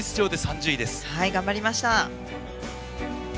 頑張りました。